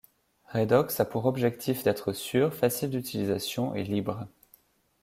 Redox a pour objectifs d’être sûr, facile d’utilisation et libre.